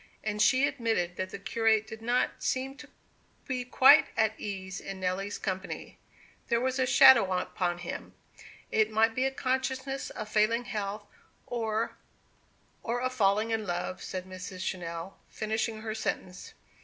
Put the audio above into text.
And she admitted that the curate did not seem to be quite at ease in Nelly's company. There was a shadow upon him. It might be a consciousness of failing health, or "Or of failing love," said Mr. Channell, finishing her sentence.